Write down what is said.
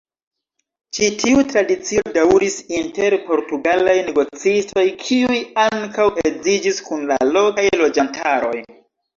Ĉi tiu tradicio daŭris inter portugalaj negocistoj kiuj ankaŭ edziĝis kun la lokaj loĝantaroj.